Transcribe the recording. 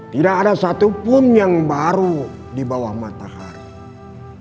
tidak ada satupun yang baru di bawah matahari